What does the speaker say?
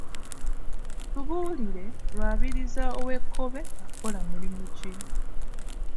Tubuulire Lwabiriza ow'Ekkobe akola mulimu ki?